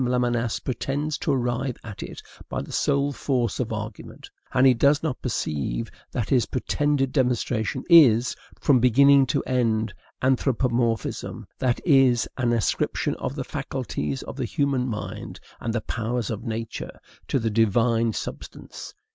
Lamennais pretends to arrive at it by the sole force of argument; and he does not perceive that his pretended demonstration is, from beginning to end, anthropomorphism, that is, an ascription of the faculties of the human mind and the powers of nature to the Divine substance.